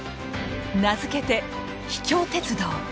名付けて「秘境鉄道」。